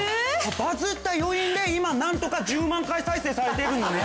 バズった余韻で今なんとか１０万回再生されてるのね。